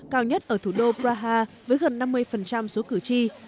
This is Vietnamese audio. cao nhất ở thủ đô praha với gần năm mươi số cử tri